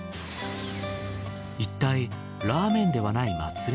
いったいラーメンではない祭り